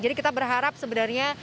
jadi kita berharap sebenarnya